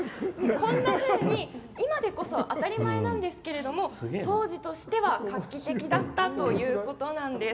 こんなふうに、今でこそ当たり前なんですけれども当時としては画期的だったということなんです。